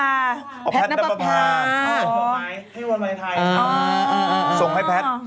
แพทนับภาพอ๋อที่วันวัยไทยครับอ๋ออ๋อส่งให้แพทย์ส่งให้แพทย์